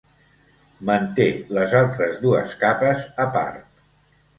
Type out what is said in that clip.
Manté les altres dues capes a part.